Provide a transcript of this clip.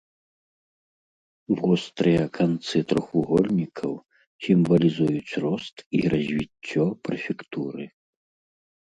Вострыя канцы трохвугольнікаў сімвалізуюць рост і развіццё прэфектуры.